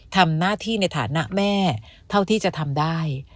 ทำหน้าที่ในฐานะแม่เท่าที่จะทำได้